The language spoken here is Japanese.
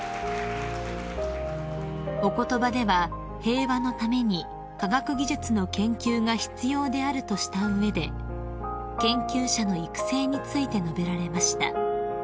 ［お言葉では平和のために科学技術の研究が必要であるとした上で研究者の育成について述べられました］